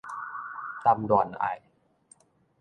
談戀愛